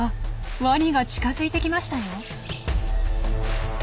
ワニが近づいてきましたよ。